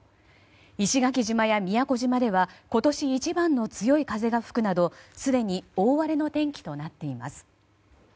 石垣島や宮古島では今年一番の強い風が吹くなど、すでに大荒れの天気となっています。